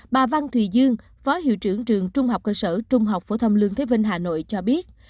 bà văn thùy dương phó hiệu trưởng trường trung học cơ sở trung học phổ thông lương thế vinh hà nội cho biết